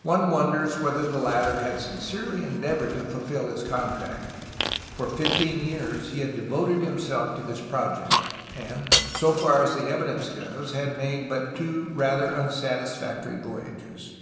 One wonders whether the latter had sincerely en deavored to fulfil his contract. For fifteen years he had devoted himself to this project, and, so far as the evidence goes, had made but two rather unsatisfactory voyages.